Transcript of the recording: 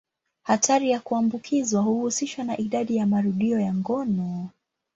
Hatari ya kuambukizwa huhusishwa na idadi ya marudio ya ngono.